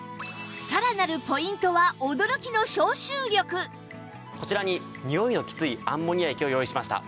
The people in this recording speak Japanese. さらなるポイントはこちらににおいのきついアンモニア液を用意しました。